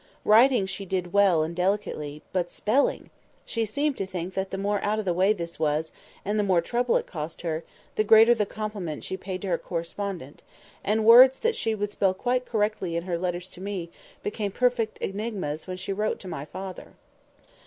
Writing she did well and delicately—but spelling! She seemed to think that the more out of the way this was, and the more trouble it cost her, the greater the compliment she paid to her correspondent; and words that she would spell quite correctly in her letters to me became perfect enigmas when she wrote to my father.